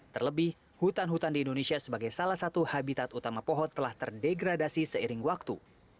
terlebih hutan hutan di indonesia sebagai salah satu habitat utama pohon telah terdegradasi seiring waktu